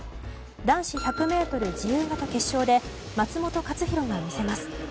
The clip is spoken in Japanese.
男子１００ｍ自由形決勝で松元克央が見せます。